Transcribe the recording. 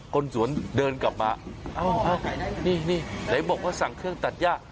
คนสวนเดินกลับมานี่นี่ไหนบอกว่าสั่งเครื่องตัดย่า